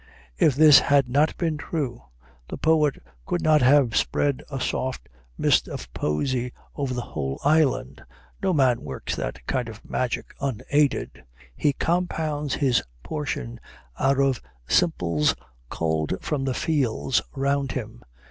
If this had not been true, the poet could not have spread a soft mist of poesy over the whole island: no man works that kind of magic unaided; he compounds his potion out of simples culled from the fields round him.